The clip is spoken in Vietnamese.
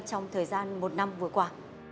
trong thời gian một năm vừa qua